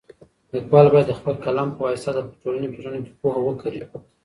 ليکوال بايد د خپل قلم په واسطه د ټولني په زړونو کي پوهه وکري.